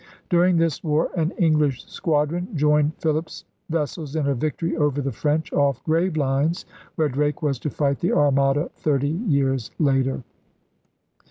During this war an English squadron joined Philip's vessels in a victory over the French off Gravelines, where Drake was to fight the Armada thirty years later.